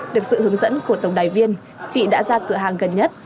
được sự hướng dẫn của tổng đài viên chị đã ra cửa hàng gần nhất